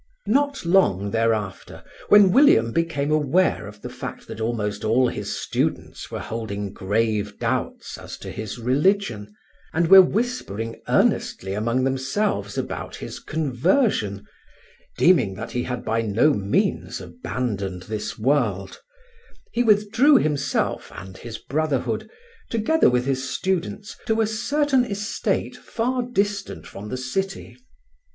Not long thereafter, when William became aware of the fact that almost all his students were holding grave doubts as to his religion, and were whispering earnestly among themselves about his conversion, deeming that he had by no means abandoned this world, he withdrew himself and his brotherhood, together with his students, to a certain estate far distant from the city.